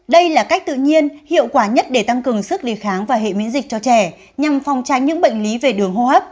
đây là cách tự nhiên hiệu quả nhất để tăng cường sức đề kháng và hệ miễn dịch cho trẻ nhằm phòng tránh những bệnh lý về đường hô hấp